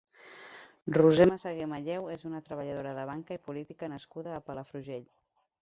Roser Massaguer Malleu és una treballadora de banca i política nascuda a Palafrugell.